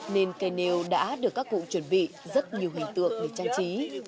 nên cây nêu đã được các cụ chuẩn bị rất nhiều hình tượng để trang trí